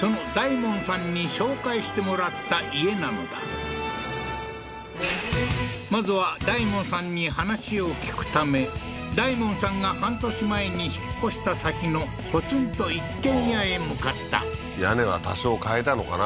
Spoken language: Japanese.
その大門さんに紹介してもらった家なのだまずは大門さんに話を聞くため大門さんが半年前に引っ越した先のポツンと一軒家へ向かった屋根は多少替えたのかな？